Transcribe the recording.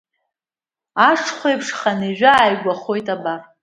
Ашхәеиԥш хынҩажәа, ааигәахоит, абар!